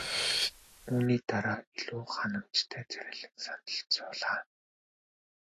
Үүний дараа илүү ханамжтай царайлан сандалд суулаа.